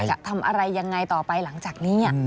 จะทำอะไรยังไงต่อไปหลังจากนี้